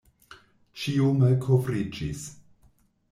Ĉio malkovriĝis!